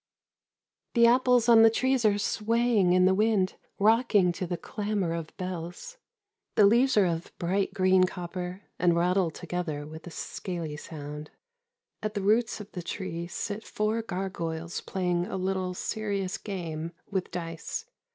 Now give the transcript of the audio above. The apples on the trees are swaying in the wind, rocking to the clamour of bells. The leaves are of bright green copper and rattle together with a scaly sound. At the roots of the tree sit four gargoyles playing a little serious game with dice.